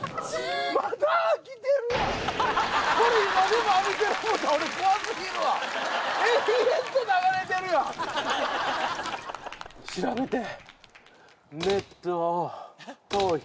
で調べて。